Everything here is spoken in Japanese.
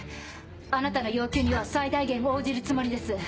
あなたの要求には最大限応じるつもりです。